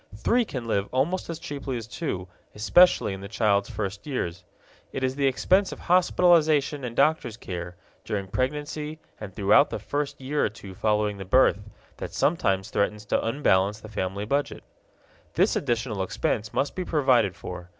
Three can live almost as cheaply as two, especially in the child's first years. It is the expense of hospitalization and doctor's care, during pregnancy and throughout the first year or two following the birth, that sometimes threatens to unbalance the family budget. This additional expense must be provided for.